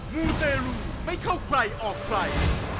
มูเตรลูไม่เข้าใครออกใคร